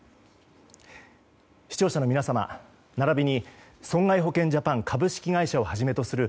視聴者の皆様並びに損害保険ジャパン株式会社をはじめとする